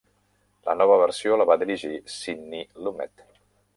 La nova versió la va dirigir Sidney Lumet.